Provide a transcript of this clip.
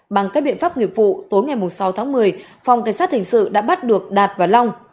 bằng các biện pháp nghiệp vụ tối ngày sáu tháng một mươi phòng cảnh sát hình sự đã bắt được đạt và long